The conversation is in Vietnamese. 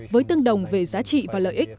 với tương đồng về giá trị và lợi lợi